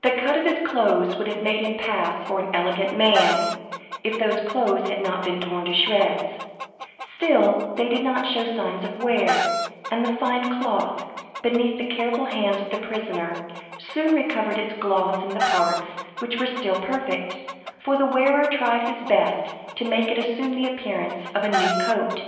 The cut of his clothes would have made him pass for an elegant man, if those clothes had not been torn to shreds; still they did not show signs of wear, and the fine cloth, beneath the careful hands of the prisoner, soon recovered its gloss in the parts which were still perfect, for the wearer tried his best to make it assume the appearance of a new coat.